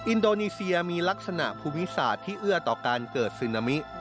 อินโดนีเซียมีลักษณะภูมิศาสตร์ที่เอื้อต่อการเกิดซึนามิ